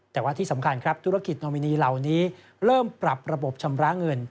แต่ว่าที่สำคัญครับธุรกิจโนมินีเหล่านี้เริ่มปรับระบบชำระเงิน